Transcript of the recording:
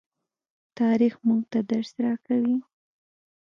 تاریخ موږ ته درس راکوي.